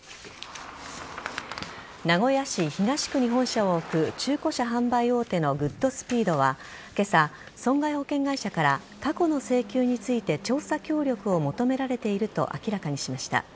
名古屋市東区に本社を置く中古車販売大手のグッドスピードは今朝、損害保険会社から過去の請求について調査協力を求められていると明らかにしました。